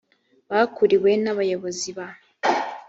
bakuriwe n abayobozi ba